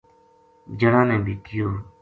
جنا نے بھی کہیو